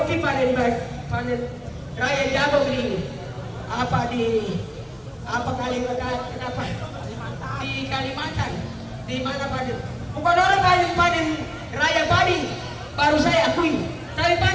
indonesia ini ilahi kelewatan